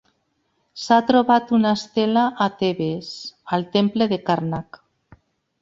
S'ha trobat una estela a Tebes, al temple de Karnak.